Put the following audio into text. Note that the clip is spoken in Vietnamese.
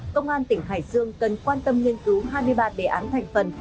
công an tỉnh hải dương cần quan tâm nghiên cứu hai mươi ba đề án thành phần